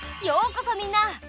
ようこそみんな！